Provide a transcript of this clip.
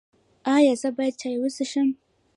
ایا زه باید چای وڅښم؟